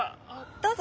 どうぞ。